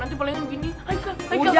nanti palingan begini